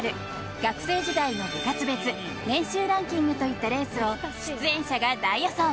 学生時代の部活別年収ランキングといったレースを出演者が大予想。